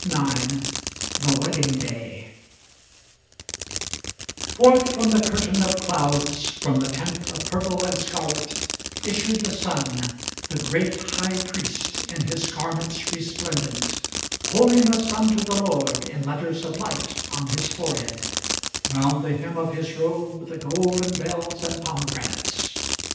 IX THE WEDDING DAY Forth from the curtain of clouds, from the tent of purple and scarlet, Issued the sun, the great High Priest, in his garments resplendent, Holiness unto the Lord, in letters of light, on his forehead, Round the hem of his robe the golden bells and pomegranates.